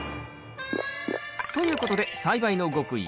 ということで栽培の極意